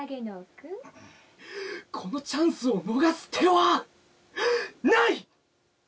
「このチャンスを逃す手はない！」